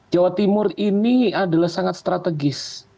jawa timur ini adalah sangat strategis